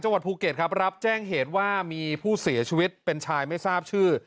วัดภูเก็ตครับรับแจ้งเหตุว่ามีผู้เสียชีวิตเป็นชายไม่ทราบชื่อ